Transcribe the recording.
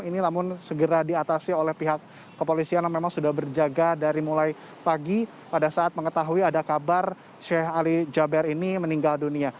ini namun segera diatasi oleh pihak kepolisian yang memang sudah berjaga dari mulai pagi pada saat mengetahui ada kabar sheikh ali jaber ini meninggal dunia